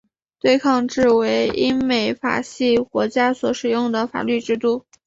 对抗制为英美法系国家所使用的法律制度。